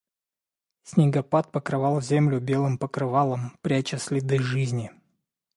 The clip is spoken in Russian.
Снегопад покрывал землю белым покрывалом, пряча следы жизни.